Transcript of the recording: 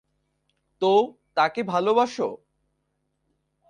তো, তাকে ভালবাসো?